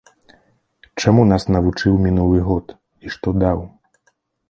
Чаму нас навучыў мінулы год і што даў?